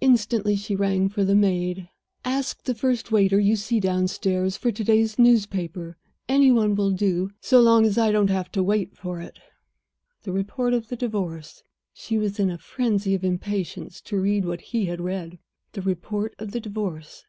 Instantly she rang for the maid. "Ask the first waiter you see downstairs for today's newspaper; any one will do, so long as I don't wait for it." The report of the Divorce she was in a frenzy of impatience to read what he had read the report of the Divorce.